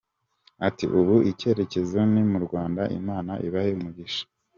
Ati “Ubu icyerekezo ni mu Rwanda…Imana ibahe umugisha!”.